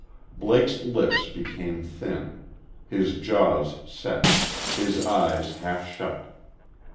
Blake's lips became thin; his jaws set; his eyes half shut.